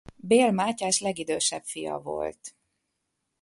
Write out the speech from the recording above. Bél Mátyás legidősebb fia volt.